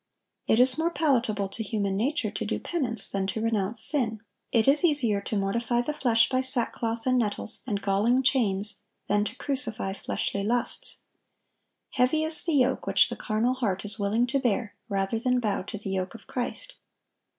It is more palatable to human nature to do penance than to renounce sin; it is easier to mortify the flesh by sackcloth and nettles and galling chains than to crucify fleshly lusts. Heavy is the yoke which the carnal heart is willing to bear rather than bow to the yoke of Christ.